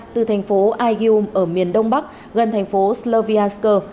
từ thành phố ayyub ở miền đông bắc gần thành phố slovyansk